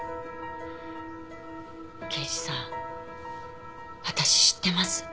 刑事さん私知ってます。